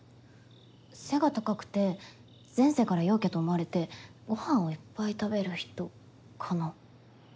背が高くて前世から陽キャと思われてごはんをいっぱい食べる人かな。